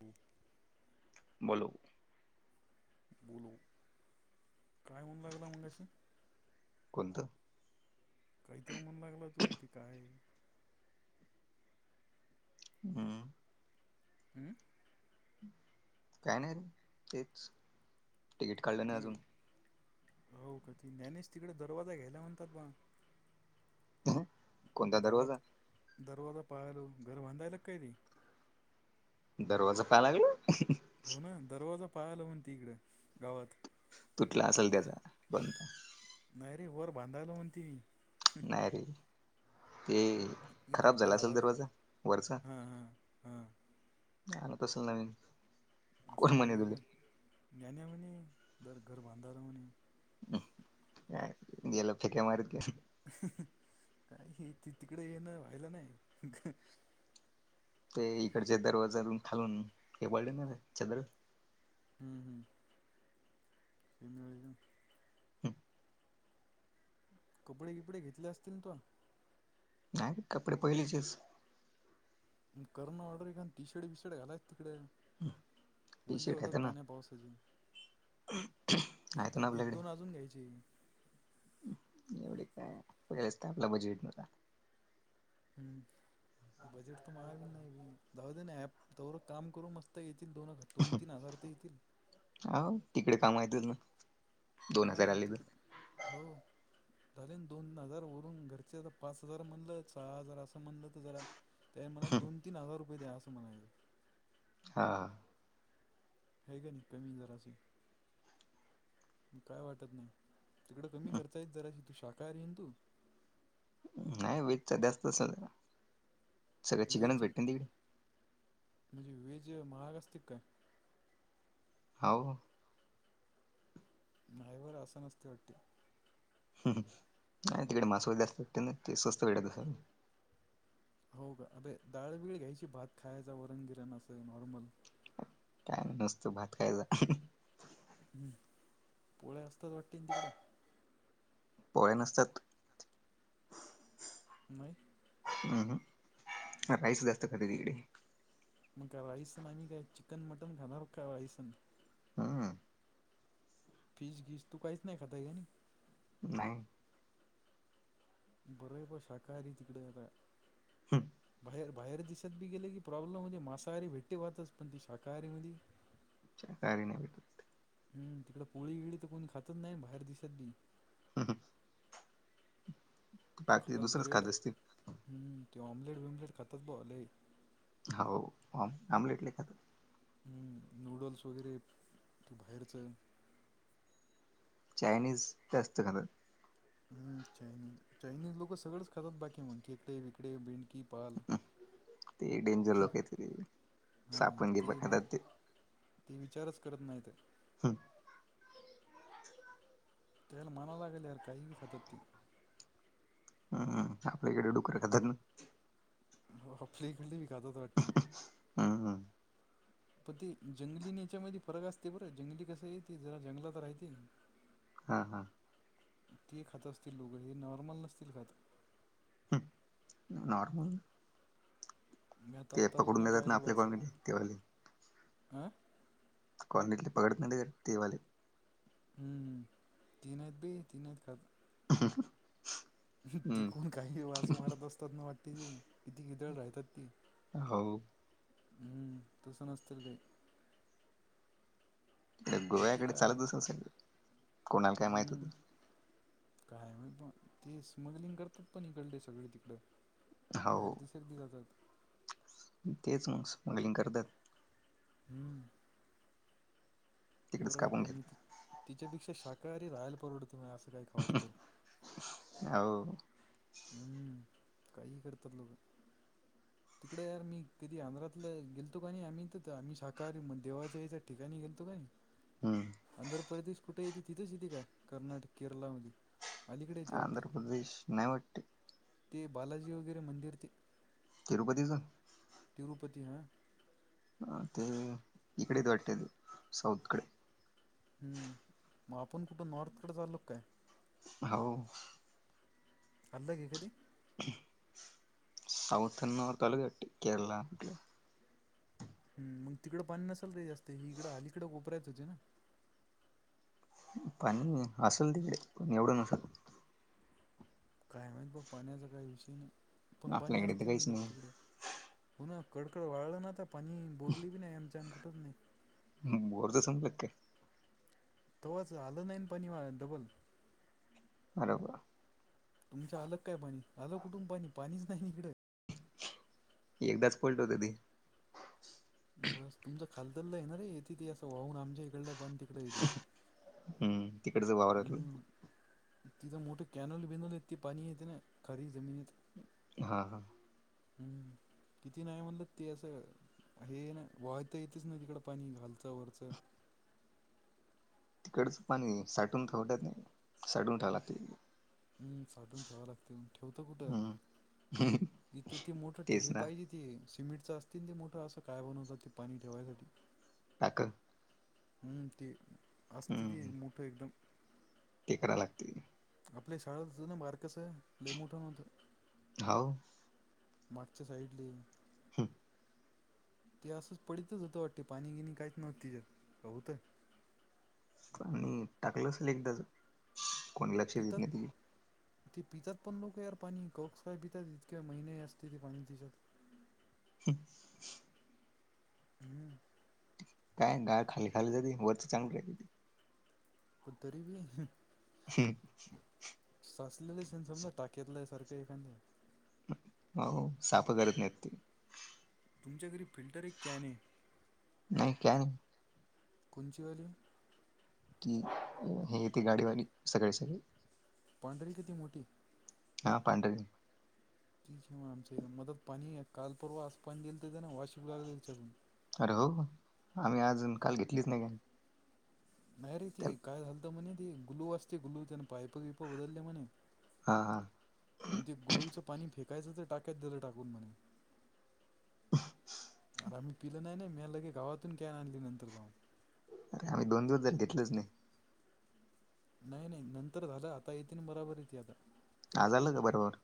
हम. बोलो. बोलो, काय म्हणा लागला मगाशी. कोणतं? काहीतरी म्हना लागला तू ते काय? हम्. हम्म. काय नाही रे, तेच, तिकीट काढलं नाही ते अजून. हो का ती ज्ञानेश तिकडे दरवाजा घ्यायला म्हणतात बा. कोणता दरवाजा गावात, दरवाजा पाहाल घर बांधायला काय रे? दरवाजा पहाय लागल. हो ना दरवाजा पाहायलो म्हणती इकड, गावात. तुटला असेल त्याचा, बंद. नाही रे वर बांधायलो म्हणते ही. नाही रे! ते हे खराब गप्पा झाला असेल झाडाला दरवाजा, वरचा. हां हां हां आणत असल नवीन. कोण म्हणे तुले [unintelligible] हम्, काय गेल फेके मारत. काही तिकडे येणं व्हायला नाही. ते इकडचे दरवाजानू खालून, हे पडले ना छिद्र. हम्म हम्. [unintelligible] हम. कपडे किपडे घेतले असतील तोन. नाही कपडे पहिलेचेच. कर ना ऑर्डर का टी शर्ट बिशर्ट घालायच तिकडे. टी वल्ले शर्ट होतात आहेत ना पाण्या पावसाचे. एक आहेत दो ना एक दोन आपल्याकडे अजून घ्यायची. एवढे काय [unintelligible] आपला बजेट नव्हता. हम्म. [unintelligible] काम करू मस्त येतील दोन. दोन तीन हजार त येतील. हाव तिकडे काम येतात ना, दोन हा हजार आलेलं. हो. तरी दोन हजार वरून घरचे तर पाच हजार म्हणलं सहा हजार असं म्हणलं तर जरा. त्या मना दोन तीन हजार रुपये द्या असं म्हणायचं. हा. आहे का नाय, कमी जरा अस? काय वाटत नाही, तिकडं कमी खर्चायचं जरा शी तू शाकाहारी हेन तू? नाही वेजच जास्त असण. [unintelligible] म्हणजे वेज महाग असते काय? हाव. नाहीवर असं नसतय वाटते. नाही तिकडे मासेवाले जास्त आहेत त्यांना ते स्वस्त भेटत असेल. हो ग अबे डाळबिळ घ्यायची भात खायचा वरण-बिरण असं नॉर्मल. काय नसतं भात खायचा. हम्म पोळ्या असतात वाटतेन तिकडं. पोळ्या नसतात. मग? अ हम्म राईस जास्त खातात इकडे. मग काय राईसन आम्ही काय चिकन मटन खाणार का राईसन? हम्म फीश गीस तू काहीच नाही खातायानी? नाही. बरय ब शाकाहारी तीकड यदा. हम. बाहेर, बाहेर दिसत बी गेले की प्रॉब्लेम होतेे मसाहारी भेट्टी भातच पण ती शाकाहारी मधी. [inaudible] चरकारी नाही [unintelligible] हम्म तिकडं पोळी गिळी तर कोणी खातच नाही बाहेर दिसत बी. [unintelligible] ते बाकी खातात दुसरंच ब्रेड खात असतील हम्म ते ऑम्लेट बिम्लेट खातात बा लई. हावो हो आम्लेट लई खातात. हम्म नूडल्स वगैरे तू बाहेरचं. चायनीज जास्त खातो. हम्म चायनी चायनीज लोकं सगळंच खातात बाकी म्हण खेकडे विकडे भेंडकी पाल ते डेंजर लोक आहेत रे हा सापण बिप नाही खातात ते. ते विचारच करत नाहीत. हम. त्याल माणालागल यार कहीवी खातात ती. हम्म आपल्या इकडे डुकरं खातात ना. हो आपल्या इकडली बी खातात वाट्टी. हम्म प ते जंगली नेच्यामध्ये फरक असते बरं जंगली कसं आहे ते जरा जंगलात रायते. [inaudible] हा, हा. ते खात असतील लोघं हे नॉर्मल नसतील खात. हंम नॉर्मल मी आता ते आत्ता लोक पकडून नाही नेतात ना पाहिलं बा आपल्या असं काही कॉलमध्ये ते वाले. हा कॉलनीतले पकडं नाही ते काय ते वाले. हम्म तीन आहेत बे तीन आहेत खात [unintelligible] तिकून काही वास मारत असतात ना वाटते ते किती कित्याळ राहतात ती. हो. हम्म तसं नसतील रे. बाकी गोव्याकडे काय चालत [unintelligible] कोणाला काय माहित हम्म होती? काय माहित बा ते स्मगलिंग करतात पण इकडले सगळे तिकड बाहेर हो दिस दिसतात. तेच मग स्मगलिंग करतायत. हम्म. तिकडेच बरं आहे कापून बा मी घेतात तिच्यापेक्षा शाकाहारी राहायला परवडत मी असं काय खाऊ असतो. हावो. हम्म काही करतात लोक. तिकडं यार मी कधी आंध्रातलं गेलतो ब आणि आम्ही तर आम्ही साकाहारी म देवाचं हेच ठीकानी गेलतो काय. हम्म. आंध्र प्रदेश कुठे येते तिथंच येते का कर्नाटक केरलामध्ये. अलीकडे येते वाटते आंध्र प्रदेश नाही वाट्ट. ते बालाजी वगैरे मंदिर ते. तिरुपतीचा तिरूपती हा अ ते इकडेच वाटते ते साऊथकडे हम्म मग आपण कुठं नॉर्थकडे चालो काय? हो. अल्लं की कधी. सौथन नॉर्काल कटे केरळ अटलं. हम मग तिकडं पाणी नसाल रे जास्त हि इकडे हालीकडडे कोपरायच होते ना. पण असेल तिकडे पण एवढं नसाल. काय माहित प पाण्याचा काही विषय नाही पण पाणी आपल्याकडे तर असते काहीच म्हणतात नाही तिकडेच हो ना कडकड वाळलं ना आ पाणी बोरली बी नाही आमच्या आणि कुठंच नाही. बोरचा संमल का. तवच आलं नाही पण डबल. बरोबर. तुमच्या अलग काय पाणी आलं कुठून पाणी पाणीच नाही इकडत एकदाच पलट होते ती बस तुमचं खालदला आहेणार रे ये ति असं वाहून आमच्या इकडलं पण तिकड येते. हम्म तिकडच वावर हम्म तिथं मोठं कॅनल बिनल य ते पाणी येते ना खारी जमीन येत. हा हां. हम्म किती नाही म्हणलं ते असं. हे ना वायता येतच ना तिकड पाणी घालचं वरचं तिकडच पाणी साठून ठेवडत नाही साठून ठेवला ते हम् साठून ठेवाव लागते ठेवत कुठं हम्म इथं ते मोठ ट तेच हेर ना पाहिजे सिमेंटच असतील ते मोठं असं काय बनवतात ते पाणी ठेवायसाठी. ह. हम्म ते असत ते हम्म मोठं एकदम ते कराय लागतील. आपल्या शाळा ना बारकस आहे ल मोठा नव्हतं. हो. मागच्या साईडली हम्म. ते असंच पडतच होतं वाटते पाणी गिणी काहीच नव्हत तिच्यात का होतंय. आणि टाकलं असेल एकदा कोणी लक्ष देत पितात नाही त ते पितात पण लोक यार पाणी कौक्स काय पितात इतके महिने असते ते पाणी दिसात. ह. हम्म. काय गाळ खाली खाली जाती वरचं चांगली राहिय. पु तरी ब श. साचलेले सेन समला टाक्यातला सारखं एखा हो साफ करत नाही ते तुमच्या घरी फिल्टर एक कॅन आहे. नाही क नाही. कोच वरी कि हेथे गाडीवाली सगळे सगळे. पांढरी किती मोठी हा पंड. तीव आमच मदत पाणी कालपर्वा आज पाणी गईल त्याच्या ना वाशििक लाग जाल त्याच्यातून अरे हो आम्ही अजून काल घेतलीच नाही का? नाही रे ती काय घालत म्हणे ती ग्लू असते गुलू त्या पायप पिप बदलले म्हणे. हा हा. आणि ते गुलूचं पाणी फेकायचं तर टाकायच दलं टाकून म्हणे. [unintelligible] अर आम्ही पिलं नाही म्यालं के गावातून कॅन आणली नंतर जाऊन अर आम्ही दोन दोन जज घेतलेच नाही. नाही नाही नंतर झालं आता येते ना बराबर येते आता आ झालं का बरोबर.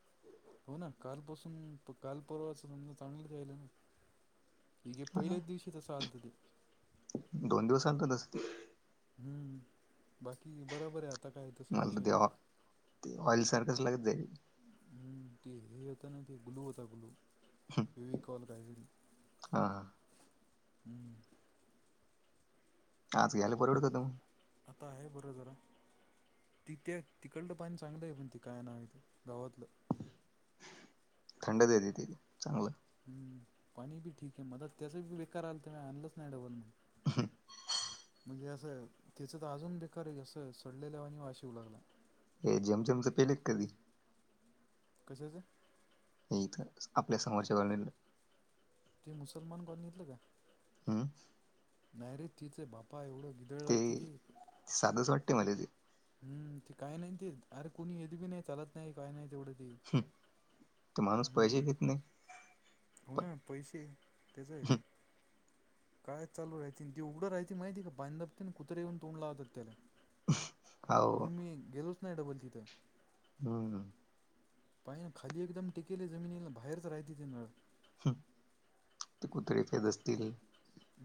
हो ना काल पासून काल परवाच समजा चांगलंचल ना. हे हा पहिल्याच दिवशी तसां अत ते दोन दिवस आणतोते हम्म बाकी बरोबर आहे आता काय तसा मला विषय ते नाही ते ऑइल सारखंच लागत जाईल हम्म ते हे होता ना ते गुलू होता गुलू तेवी कॉल करय हा हम् आज ग्यायला पररवडतं तू आता आहे बरं जरा तिथे तिकडलं पाणी चांगलं आहे पण ते काय नाव आहेथं गावातलं थंडच येते त चांगलं हम् पाणी बी ठीक आहे म त्याचा ब बेकार आला त्या म आणलंच नाही डबल म्हणून ह म्हणजे असं तिचं तर अजून बेकार आहे जस सडलेल्यावा आणि वाशिव लागला हे जमजमच पहिले कधी कशचं. नाही इथं आपल्या समोरच्या व ते मुसलमान कोण घेतलं का हं नाहीरे तिचे बापा एवढं ग ते साधच वाटते मला तेे हम्म ते काय नाही ते अरे कोुणी येत बी नाही चालत नाही काही नाही तेवढं त ते माणूस पाहिजे घेत नाही हो पण ना पैसे त्याच आहे काय चालू राय त ते उघडं राहती माहिती आहे का बांधबते ना कुत्रे येऊन तोंडलाहतात त्याला हो म्हण मी गेलोच नाही डबल तिथं हम् पाय ना खाली एकदम टिकेले जमिनीला बाहेरच राहते त नळ ते कुत रिफेद असतील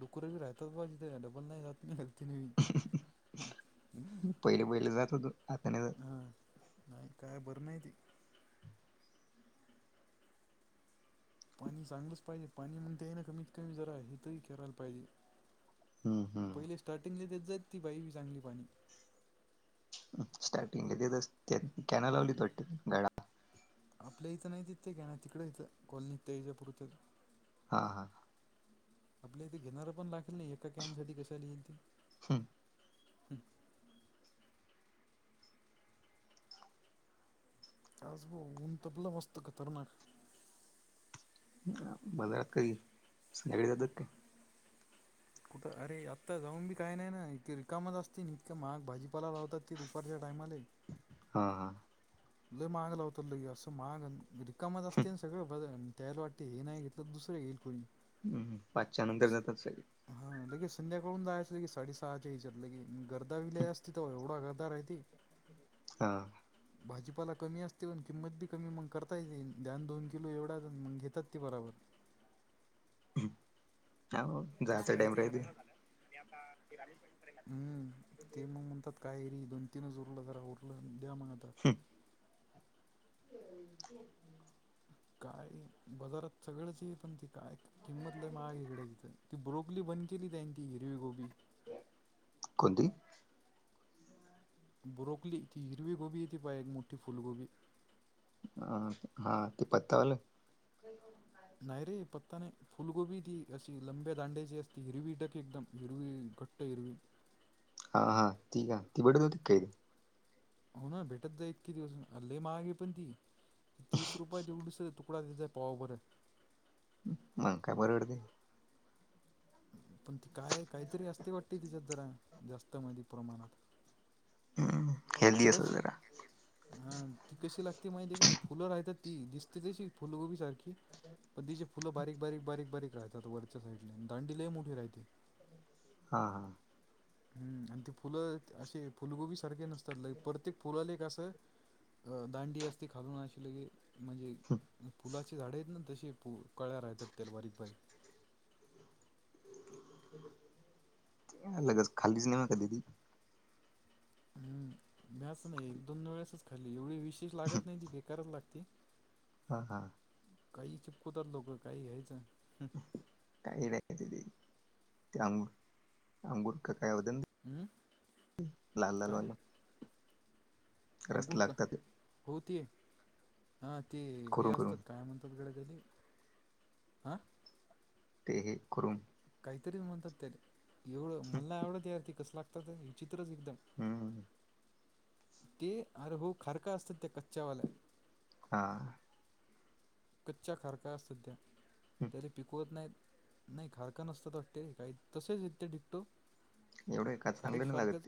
डुकुेी राहतात बा तिथे डबल नाही जात नाही त पहिले पहिले जात हो तू आता नाही हा नाही काय बरं नाही त पाणी चांगलंच पाहिजे पाणी मग त्या ना कमीत कमी जरा हेेतही करायला पाहिजे हम्म पहिले हम्म स्टार्टिंगले तेच जात ती बाई ह चांगली पाणी स्टार्टिंगला देत कॅन लावली त वाटते गड आपल्या इथं नाही तथे घ नाही तिकडं इथं कॉलनीतथेपूर हा हा आपल्या इथे घेणार पण लागेल नाही एका कॅनसाठीठी कशाला येईल ते हम्म काज बो उऊन त पला मस्त खतरनाक. बाजारात काय सजळी तक अरे आत्ता जाऊन बी काय नाही ना इते रिकामच असतील इतकं मग भाजीपाला लावतात ते दुपारच्या टायमाले. हा, हा. ल महाग लावत लग असं महाग रिकामत असते ना सगळं ब त्यायला वाटतें हे नाही घेतलं दुसरे घईल कोणी. हम् पाचच्या नंतर जातात सगळे, हा लगे संध्याकाळून जायचं की साडे सहा च्या विचार लगे गर्दा विले असती त एवढा गर्दा राहती. [inaudible] हा. भाजीपाला कमी असते पण किंमत बी कमी मग करता य ये ध्यान दोन किलो एवढा मग घेतात. ती बराबर. तसं जायचा टाम राहते. जरा हम्म ते मग म्हणतात कायरी दोन तीनच उरलं जरा उरलं द्या मग आता. [unintelligible] [unintelligible] काय बाजारात सगळंच ये पण त काय किंमत लय माहाग इकडे तिथं ती ब्रोपली बंद केली त्याची हिरवी गोबी. कधी. ब्रोकली ती हिरवी गोबी येते पाहा एक मोठी फुलगोबी. अ हा ते पत्तावालं ह. नाहीरे पत्ता नाही. फुलगोबी ती अशी लंब्या दांड्याची असती हिरवी डक एकदम हिरवी घट्ट हिरवी. हा हा ठी का ती बघत होती काै, हो ना भेटत जाई इतके दिवस हल्लई महागे पण ती. तीस रुपये देवढस तुकडा देत आहे पाव बरं. मग काय बरवडते. पण ती काय काहीतरी असती वाटते तिच्यात जरा जास्त मधी प्रमाणात. हम्म हेल्दी अस दुराश. जरा हा ती कशी लागते माहितीे का फुलं राहतात ती दिसते तशी फुलगोबी सारखी. पधदीचे फुलं बारीक बारीक बारीक बारीक राहतात. वरच्या साईडले दांडीलही मोठी राहते. हां, हां. हम् आणि ते फुलं असे फुलगोबी सारखे नसतात प्रत्येक फुलाला कसं, दांडी अस ती खा नशली की, म्हणजे फूलाचे झाडे आहेत ना तसे प कळ्या राहतात त्याला बारीक बारीक. लगच खाली सिनेमा कधी ती. हम्म! भ्यास नाही एक दोन वेळेसच खाल्ली एवढी विशेष लागत नाही ती बेकारच लागते. हा, हा. काही चिपकुतात लोकं काही घ्यायचं. काही राहायच ते ते अं अंंगुर का कायद काय. रस अंगुर का लागतात हो ते हा ते हे करून असतात करून काय म्हणतात. सतगडली हां! ते हे कुरून. काहीतरी म्हणतात त्या एवढं मला एवढं तयारतीी कसं लागतात. चित्रच एकदम हम्म ते अरे हो खारका असतात त्या कच्च्यावाल्या. हा. कच्च्या खारका सध्या तरी पिकवत नाहीत. नाही खारका नसतात वाटते काही तसेच येत ते डिकटो- एवढं का खारीक चांगलं नाही लागत ते. सारखंच